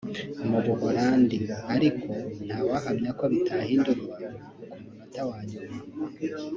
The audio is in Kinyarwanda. mu Buhorandi (ariko ntawahamya ko bitahindurwa ku munota wa nyuma)